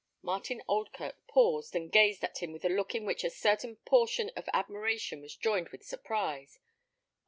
Martin Oldkirk paused and gazed at him with a look in which a certain portion of admiration was joined with surprise.